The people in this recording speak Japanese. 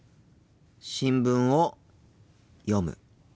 新聞を読む。